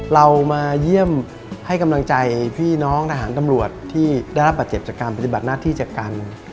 เรามาเยี่ยมให้กำลังใจพี่น้องทหารตำรวจที่ได้รับบาดเจ็บจากการปฏิบัติหน้าที่จากการ